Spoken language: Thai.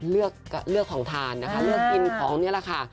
เลือกเลือกของทานนะคะเลือกกินของนี่แหละค่ะ